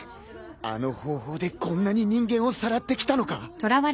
あの方法でこんなに人間をさらってきたのか？